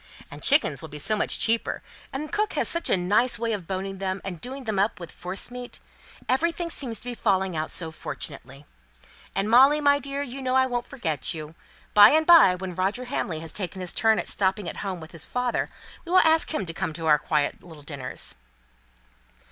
And chickens will be so much cheaper, and cook has such a nice way of boning them, and doing them up with forcemeat. Everything seems to be falling out so fortunately. And Molly, my dear, you know I won't forget you. By and by, when Roger Hamley has taken his turn at stopping at home with his father, we will ask him to one of our little quiet dinners."